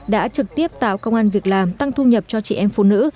đã trực tiếp tạo công an việc làm tăng thu nhập cho chị em phụ nữ